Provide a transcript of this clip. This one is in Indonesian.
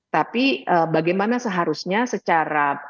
tapi bagaimana seharusnya secara